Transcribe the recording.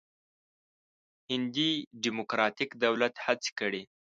هندي ډموکراتیک دولت هڅې کړې.